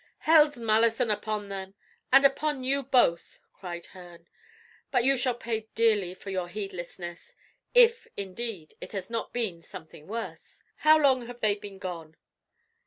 "Hell's malison upon them, and upon you both!" cried Herne. "But you shall pay dearly for your heedlessness, if, indeed, it has not been something worse. How long have they been gone?"